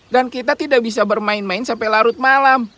dan kita tidak bisa bermain main sampai larut malam